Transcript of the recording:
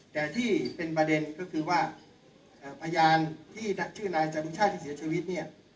แต่ที่เป็นประเด็นก็คือว่าพยานที่ชื่อนายจรุชาติที่เสียชีวิตเนี่ย